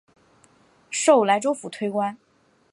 授莱州府推官。